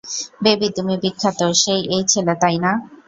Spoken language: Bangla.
বেবি তুমি বিখ্যাত, সেই এই ছেলে, তাইনা?